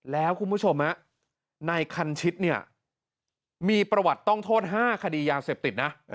แล้วคุณผู้ชมนายคันชิตมีประวัติต้องโทษ๕คดียาเสพติด